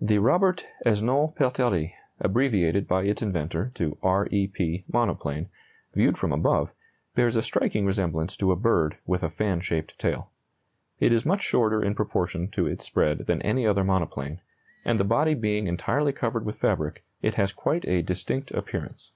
The Robert Esnault Pelterie (abbreviated by its inventor to R E P) monoplane, viewed from above, bears a striking resemblance to a bird with a fan shaped tail. It is much shorter in proportion to its spread than any other monoplane, and the body being entirely covered with fabric, it has quite a distinct appearance.